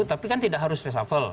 tapi kan tidak harus resafel